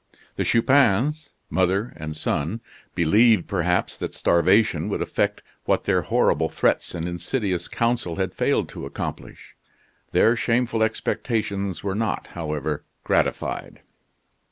The Chupins mother and son believed, perhaps, that starvation would effect what their horrible threats and insidious counsel had failed to accomplish. Their shameful expectations were not, however, gratified.